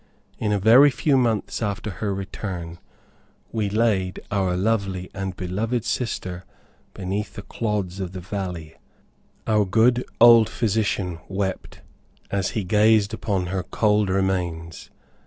In a very few months after her return, we laid our lovely and beloved sister beneath the clods of the valley. Our good old physician wept as he gazed upon her cold remains.